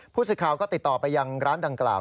ผู้สื่อข่าวก็ติดต่อไปยังร้านดังกล่าว